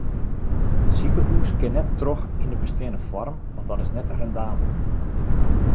It sikehûs kin net troch yn de besteande foarm want dat is net rendabel.